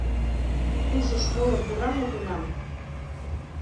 Ушыш моло пура мо тунам?